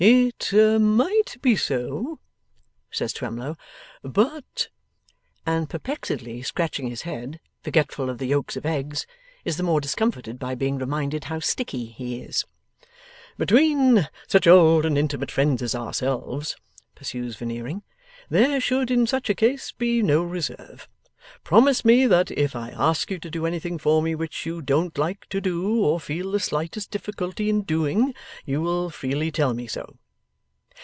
'It might be so,' says Twemlow; 'but ' And perplexedly scratching his head, forgetful of the yolks of eggs, is the more discomfited by being reminded how stickey he is. 'Between such old and intimate friends as ourselves,' pursues Veneering, 'there should in such a case be no reserve. Promise me that if I ask you to do anything for me which you don't like to do, or feel the slightest difficulty in doing, you will freely tell me so.